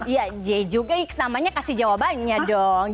ya j juga x namanya kasih jawabannya dong